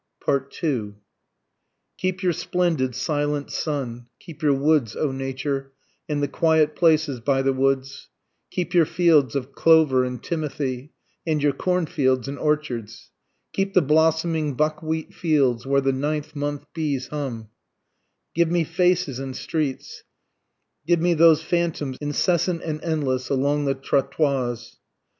2 Keep your splendid silent sun, Keep your woods O Nature, and the quiet places by the woods, Keep your fields of clover and timothy, and your corn fields and orchards, Keep the blossoming buckwheat fields where the Ninth month bees hum; Give me faces and streets give me these phantoms incessant and endless along the trottoirs!